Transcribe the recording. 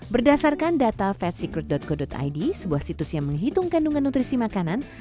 berdasarkan data fetsicrut co id sebuah situs yang menghitung kandungan nutrisi makanan